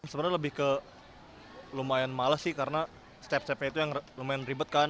sebenarnya lebih ke lumayan males sih karena step stepnya itu yang lumayan ribet kan